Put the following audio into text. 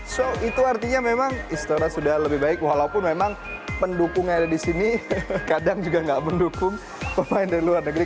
so itu artinya memang istora sudah lebih baik walaupun memang pendukung yang ada di sini kadang juga nggak mendukung pemain dari luar negeri